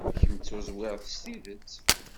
Kemm d tuẓwirt s tidet.